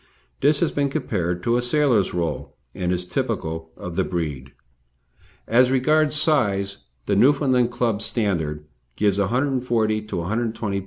This has been compared to a sailor's roll, and is typical of the breed. As regards size, the Newfoundland Club standard gives 140 lbs. to 120 lbs.